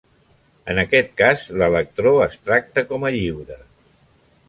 En aquest cas, l'electró es tracta com a lliure.